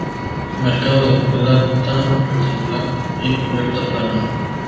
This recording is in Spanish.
Mercado de planta rectangular y cubierta plana.